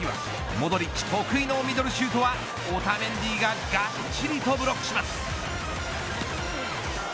モドリッチ得意のミドルシュートはオタメンディががっちりとブロックします。